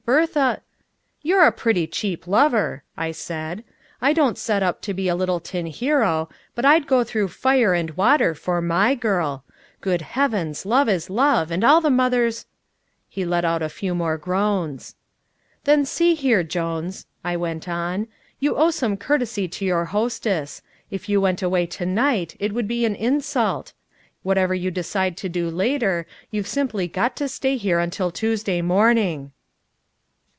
Bertha " "You're a pretty cheap lover," I said. "I don't set up to be a little tin hero, but I'd go through fire and water for my girl. Good heavens, love is love, and all the mothers " He let out a few more groans. "Then, see here, Jones," I went on, "you owe some courtesy to our hostess. If you went away to night it would be an insult. Whatever you decide to do later, you've simply got to stay here till Tuesday morning!"